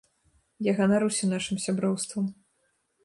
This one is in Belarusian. Я ганаруся нашым сяброўствам.